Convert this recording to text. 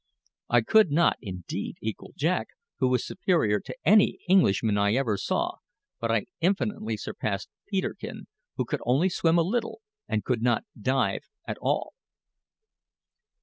I could not, indeed, equal Jack, who was superior to any Englishman I ever saw; but I infinitely surpassed Peterkin, who could only swim a little, and could not dive at all.